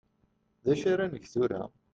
D acu ar ad neg tura?